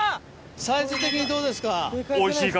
サイズ的にどうですか？